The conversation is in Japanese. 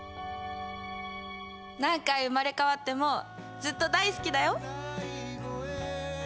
何回生まれ変わってもずっと大好きだよ。